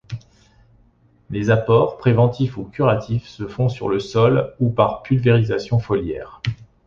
Les apports, préventifs ou curatifs, se font sur le sol ou par pulvérisation foliaire.